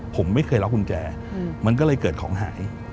ผมไม่เคยล็อกกุญแจมันก็เลยเกิดของหาย